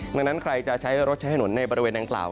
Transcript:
ดังนั้นใครจะใช้รถใช้ถนนในบริเวณดังกล่าว